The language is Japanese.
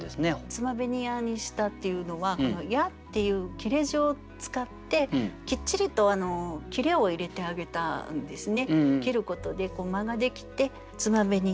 「つまべにや」にしたっていうのは「や」っていう切れ字を使ってきっちりと切れを入れてあげたんですね。